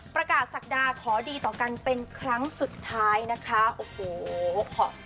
ประกาศศักดาขอดีต่อกันเป็นครั้งสุดท้ายนะคะโอ้โห